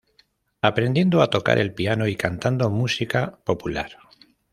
Aprendiendo a tocar el piano, y cantando música popular.